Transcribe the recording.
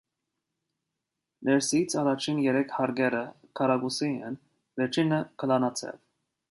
Ներսից առաջին երեք հարկերը քառակուսի են, վերջինը՝ գլանաձև։